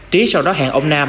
trí sau đó hẹn ông nam